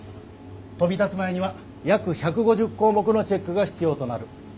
飛び立つ前には約１５０項目のチェックが必要となる。